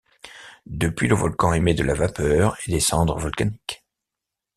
Depuis le volcan émet de la vapeur et des cendres volcaniques.